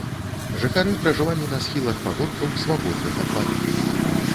Жыхары пражывалі на схілах пагоркаў свабодных ад вады.